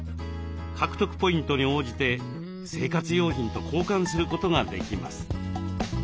獲得ポイントに応じて生活用品と交換することができます。